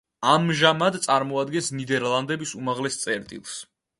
ამჟამად წარმოადგენს ნიდერლანდების უმაღლეს წერტილს.